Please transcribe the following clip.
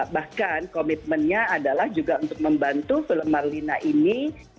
bahkan komitmennya adalah juga untuk membantu film marlina ini